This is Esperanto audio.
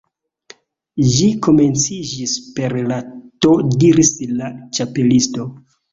"Ĝi komenciĝis per la T" diris la Ĉapelisto.